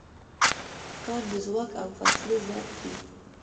کار د ځواک او فاصلې ضرب دی.